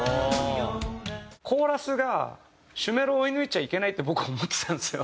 コーラスが主メロを追い抜いちゃいけないって僕思ってたんですよ。